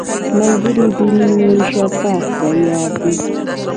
ملګری د مینې شفاف دریاب دی